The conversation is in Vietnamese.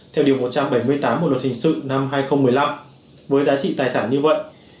theo điều một trăm bảy mươi tám bộ luật hình sự năm hai nghìn một mươi năm với giá trị tài sản như vậy